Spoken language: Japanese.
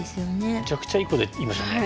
めちゃくちゃいいこと言いましたね。